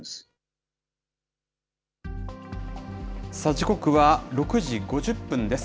時刻は６時５０分です。